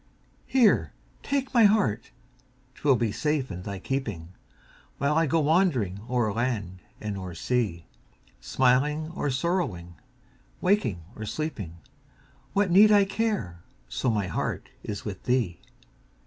Here, take my heart 'twill be safe in thy keeping, While I go wandering o'er land and o'er sea; Smiling or sorrowing, waking or sleeping, What need I care, so my heart is with thee?